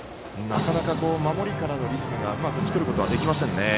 なかなか守りからのリズムがうまく作ることができませんね。